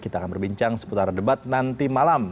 kita akan berbincang seputar debat nanti malam